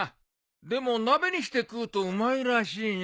でも鍋にして食うとうまいらしいな。